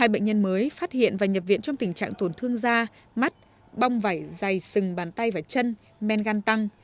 hai bệnh nhân mới phát hiện và nhập viện trong tình trạng tổn thương da mắt bong vẩy dày sừng bàn tay và chân men gan tăng